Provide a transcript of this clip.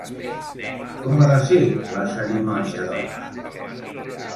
Com ha de ser la cerimònia, doncs?